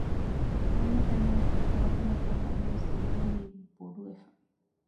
ދެންމެ ފެނުން ހުވަފެނަކުން އަދިވެސް ދެލޯ ހުރީ ބޮޑުވެފަ